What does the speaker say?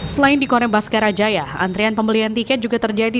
selain di korembas karajaya antrian pembelian tiket juga terjadi